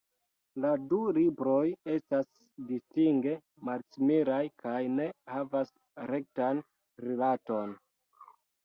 La du libroj estas distinge malsimilaj kaj ne havas rektan rilaton.